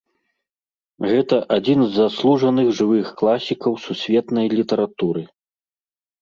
Гэта адзін з заслужаных жывых класікаў сусветнай літаратуры.